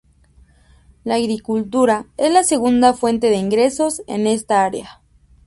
La agricultura es la segunda fuente de ingresos en esta área.